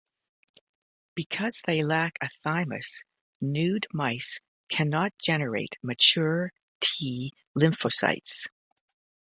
Because they lack a thymus, nude mice cannot generate mature T lymphocytes.